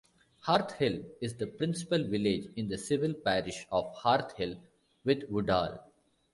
Harthill is the principal village in the civil parish of Harthill with Woodall.